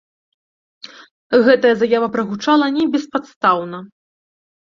Гэтая заява прагучала не беспадстаўна.